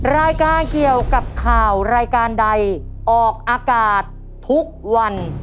รายการเกี่ยวกับข่าวรายการใดออกอากาศทุกวัน